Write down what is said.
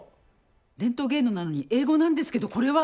伝統芸能なのに英語なんですけどこれは？